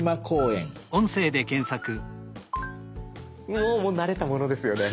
おもう慣れたものですよね。